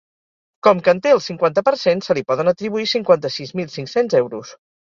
Com que en té el cinquanta per cent, se li poden atribuir cinquanta-sis mil cinc-cents euros.